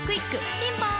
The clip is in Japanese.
ピンポーン